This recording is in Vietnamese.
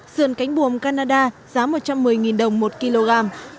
sườn cánh buồm canada giá một trăm một mươi đồng một kg